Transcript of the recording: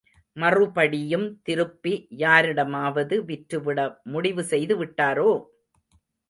மறுபடியும் திருப்பி யாரிடமாவது விற்றுவிட முடிவுசெய்து விட்டாரோ?